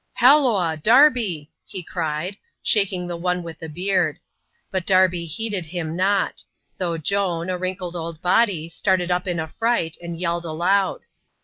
^ Halloa ! Darby !" he cried, shaking the one with a beard. But Darby heeded him not ; though Joan, a wrinkled old body, started up in afOright, and yelled aloud.